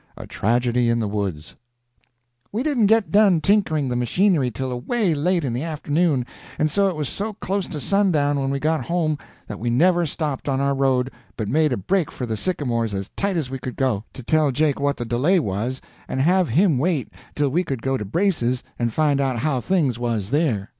A TRAGEDY IN THE WOODS We didn't get done tinkering the machinery till away late in the afternoon, and so it was so close to sundown when we got home that we never stopped on our road, but made a break for the sycamores as tight as we could go, to tell Jake what the delay was, and have him wait till we could go to Brace's and find out how things was there.